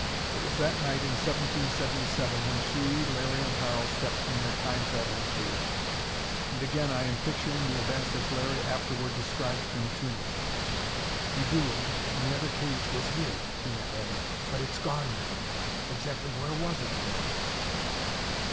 It was that night in 1777 when she, Larry and Harl stepped from their Time traveling cage; and again I am picturing the events as Larry afterward described them to me. "Migul, in the other cage, was here," Tina added. "But it's gone now. Exactly where was it, I wonder?"